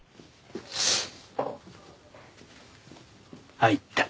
入った。